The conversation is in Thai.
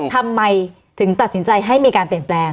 ทำไมถึงตัดสินใจให้มีการเปลี่ยนแปลง